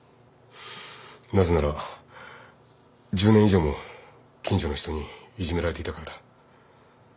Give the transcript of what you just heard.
なぜなら１０年以上も近所の人にいじめられていたからだ。